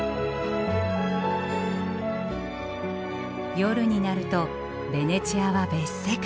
夜になるとベネチアは別世界。